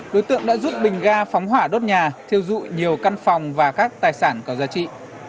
đối tượng đã rút bình ga phóng hỏa đốt nhà thiêu dụi nhiều căn phòng và các tài sản có giá trị